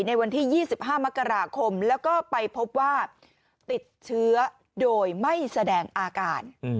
ในวันที่๒๕มกราคมแล้วก็ไปพบว่าติดเชื้อโดยไม่แสดงอาการ